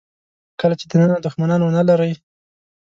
کله چې دننه دوښمنان ونه لرئ.